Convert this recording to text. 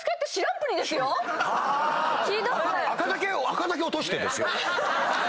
あかだけ落としてるんですよ。